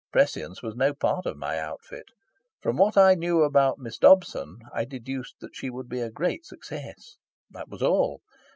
Prescience was no part of my outfit. From what I knew about Miss Dobson, I deduced that she would be a great success. That was all.